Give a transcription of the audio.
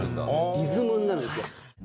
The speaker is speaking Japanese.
リズムになるんですよ。